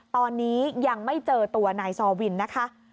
ตอนนี้ยังไม่เจอตัวนายซอวินนะคะ